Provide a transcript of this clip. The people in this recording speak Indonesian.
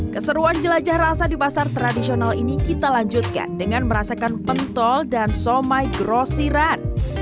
keseruan jelajah rasa di pasar tradisional ini kita lanjutkan dengan merasakan pentol dan somai grosiran